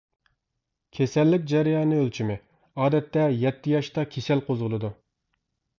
كېسەللىك جەريانى ئۆلچىمى: ئادەتتە يەتتە ياشتا كېسەل قوزغىلىدۇ.